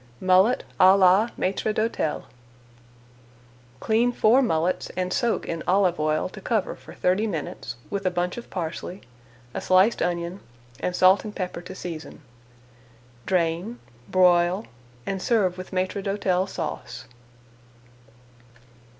MULLET À LA MAÎTRE D'HÔTEL Clean four mullets and soak in olive oil to cover for thirty minutes, with a bunch of parsley, a sliced onion, and salt and pepper to season. Drain, broil, and serve with Maître d'Hôtel Sauce.